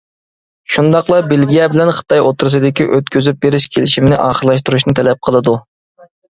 شۇنداقلا بېلگىيە بىلەن خىتاي ئوتتۇرىسىدىكى ئۆتكۈزۈپ بېرىش كېلىشىمىنى ئاخىرلاشتۇرۇشنى تەلەپ قىلىدۇ.